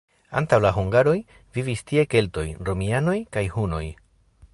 Antaŭ la hungaroj vivis tie keltoj, romianoj kaj hunoj.